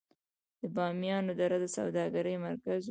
د بامیان دره د سوداګرۍ مرکز و